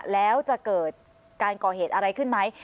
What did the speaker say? แล้วจะเกิดการก่อเหตุอะไรขึ้นไหม